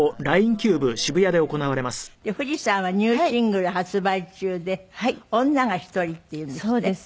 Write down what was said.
で藤さんはニューシングル発売中で『女がひとり』っていうんですって？